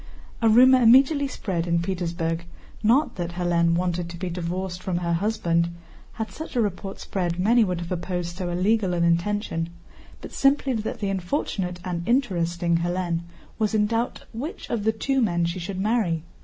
A rumor immediately spread in Petersburg, not that Hélène wanted to be divorced from her husband (had such a report spread many would have opposed so illegal an intention) but simply that the unfortunate and interesting Hélène was in doubt which of the two men she should marry.